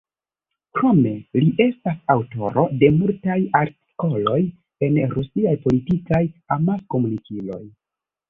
Krome, li estas aŭtoro de multaj artikoloj en rusiaj politikaj amaskomunikiloj.